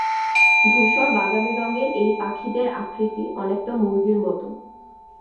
ধূসর বাদামি রংয়ের এই পাখিদের আকৃতি অনেকটা মুরগির মতো।